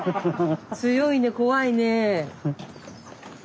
強いね怖いね。